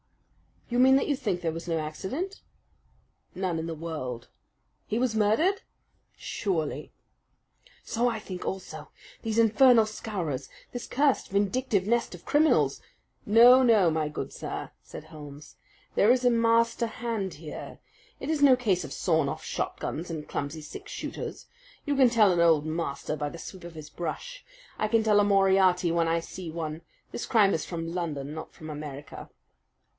"You mean that you think there was no accident?" "None in the world." "He was murdered?" "Surely!" "So I think also. These infernal Scowrers, this cursed vindictive nest of criminals " "No, no, my good sir," said Holmes. "There is a master hand here. It is no case of sawed off shotguns and clumsy six shooters. You can tell an old master by the sweep of his brush. I can tell a Moriarty when I see one. This crime is from London, not from America."